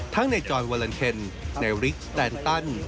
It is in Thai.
ทั้งในจอนวอลันเทนในริคซ์แตนตั้น